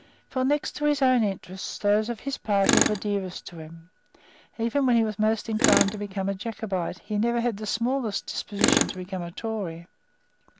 For, next to his own interests, those of his party were dear to him; and, even when he was most inclined to become a Jacobite, he never had the smallest disposition to become a Tory.